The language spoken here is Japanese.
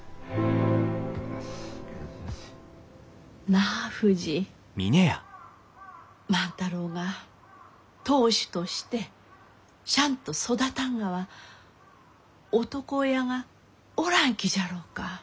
なあふじ万太郎が当主としてシャンと育たんがは男親がおらんきじゃろうか？